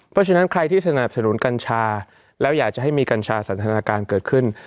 เพราะฉะนั้นใครที่สนับสนุนกัญชาแล้วอยากจะให้มีกัญชาสันทนาการเกิดขึ้น